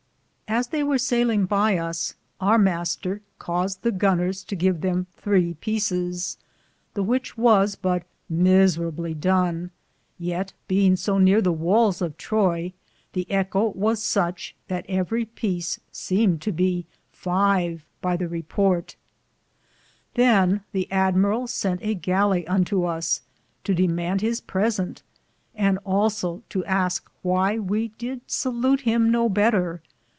As theye weare sailinge by us, our Mr. caused the gonors to give them thre peecis, the which was but meserably done ; yeate, beinge so neare the wales of Troy, the eckco was suche that everie peece semed to be five by the re porte. Than the Amberall sente a gallie unto us to demande his presente, and also to aske whye we did salute him no better.